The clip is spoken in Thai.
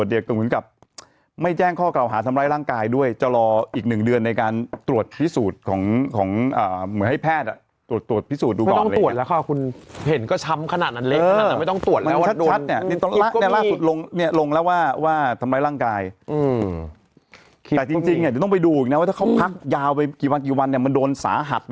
เดี๋ยวกับไม่แจ้งข้อเกลาหาทำร้ายร่างกายด้วยจะรออีก๑เดือนในการตรวจพิสูจน์ของของเหมือนให้แพทย์ตรวจพิสูจน์ดูก่อนตรวจแล้วค่ะคุณเห็นก็ช้ำขนาดนั้นเลยไม่ต้องตรวจแล้วว่าตรวจลงแล้วว่าทำร้ายร่างกายจะต้องไปดูนะว่าถ้าเขาพักยาวไปกี่วันกี่วันเนี่ยมันโดนสาหัส